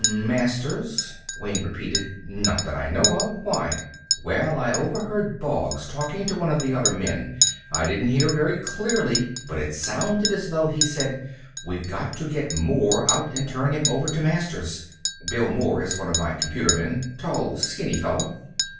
"Masters?" Wayne repeated. "Not that I know of why?" "Well, I overheard Boggs talking to one of the other men. I didn't hear very clearly, but it sounded as though he said: 'We've got to get Moore out and turn him over to Masters.' Bill Moore is one of my computermen tall, skinny fellow."